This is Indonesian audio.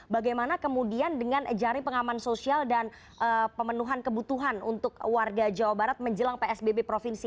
bagaimana kemudian dengan jari pengaman sosial dan pemenuhan kebutuhan untuk warga jawa barat menjelang psbb provinsi